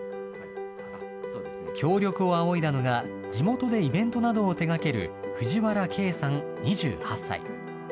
協力を仰いだのが地元でイベントなどを手がける藤原慶さん２８歳。